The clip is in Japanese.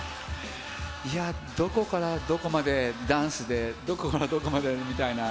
いや、どこからどこまでダンスで、どこからどこまでみたいな。